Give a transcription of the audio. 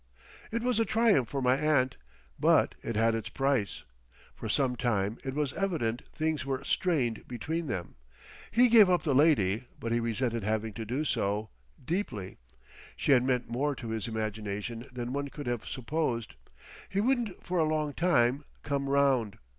It was a triumph for my aunt, but it had its price. For some time it was evident things were strained between them. He gave up the lady, but he resented having to do so, deeply. She had meant more to his imagination than one could have supposed. He wouldn't for a long time "come round."